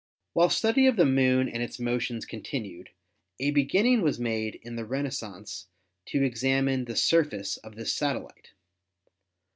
While study of the Moon and its motions continued, a beginning was made in the Renaissance to examine the surface of this satellite.